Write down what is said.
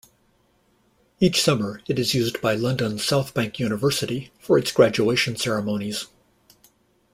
Each summer it is used by London South Bank University for its graduation ceremonies.